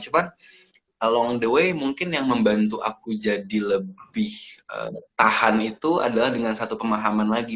cuma long the way mungkin yang membantu aku jadi lebih tahan itu adalah dengan satu pemahaman lagi